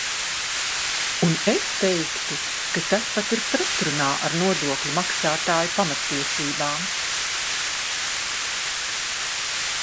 Un es teiktu, ka tas pat ir pretrunā ar nodokļu maksātāju pamattiesībām.